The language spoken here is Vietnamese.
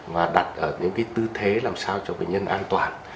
mà đặt ở những cái tư thế làm sao cho bệnh nhân an toàn